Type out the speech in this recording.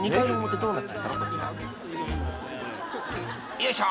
［よいしょ！